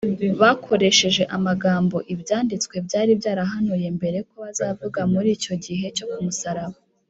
bakoresheje amagambo ibyanditswe byari byarahanuye mbere ko bazavuga muri icyo gihe cyo ku musaraba